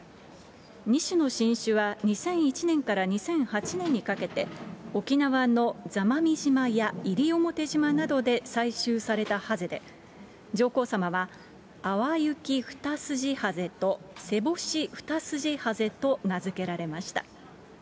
２種の新種は２００１年から２００８年にかけて、沖縄の座間味島や西表島などで採集されたハゼで、上皇さまはアワユキフタスジハゼとセボシフタスジハゼと名付けられました。